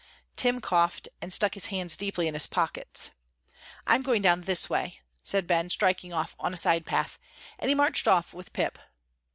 Tim coughed and stuck his hands deeply in his pockets. "I'm going down this way," said Ben, striking off on a side path, and he marched off with pip.